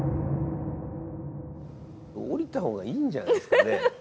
下りた方がいいんじゃないですかね。